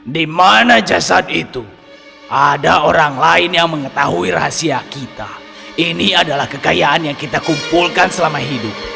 di mana jasad itu ada orang lain yang mengetahui rahasia kita ini adalah kekayaan yang kita kumpulkan selama hidup